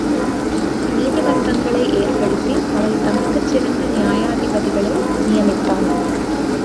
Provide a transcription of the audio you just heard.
நீதி மன்றங்களை ஏற்படுத்தி அவை தமக்குச் சிறந்த நியாயாதிபதிகளை நியமித்தான்.